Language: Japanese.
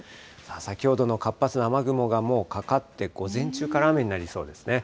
先ほどの活発な雨雲がもうかかって、午前中から雨になりそうですね。